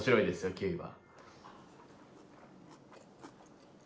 キウイは。